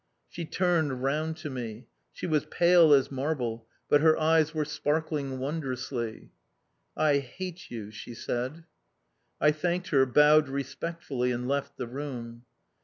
She turned round to me. She was pale as marble, but her eyes were sparkling wondrously. "I hate you"... she said. I thanked her, bowed respectfully, and left the room.